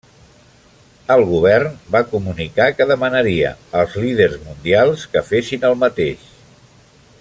El govern va comunicar que demanaria als líders mundials que fessin el mateix.